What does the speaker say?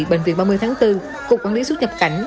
bệnh viện ba mươi tháng bốn cục quản lý xuất nhập cảnh